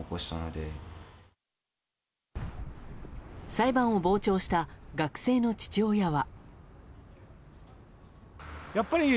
裁判を傍聴した学生の父親は。